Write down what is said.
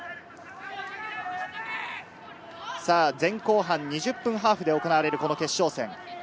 前後半２０分ハーフで行われる決勝戦。